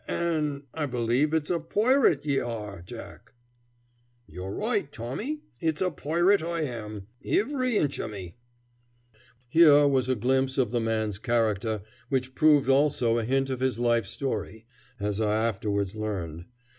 "A an' I believe it's a poirate ye are, Jack." "You're roight, Tommy; it's a poirate I am, ivery inch o' me!" Here was a glimpse of the man's character which proved also a hint of his life story, as I afterwards learned.